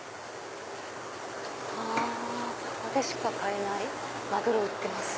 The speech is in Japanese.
「ここでしか買えない鮪売っています」。